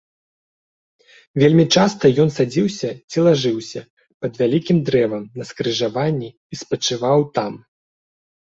Вельмі часта ён садзіўся ці лажыўся пад вялікім дрэвам на скрыжаванні і спачываў там.